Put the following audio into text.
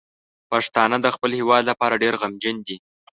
پښتانه د خپل هیواد لپاره ډیر غمجن دي.